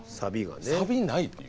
「サビない」という。